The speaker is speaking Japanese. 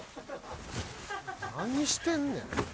何してんねん。